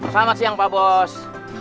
selamat siang pak bos